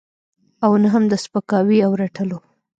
او نه هم د سپکاوي او رټلو.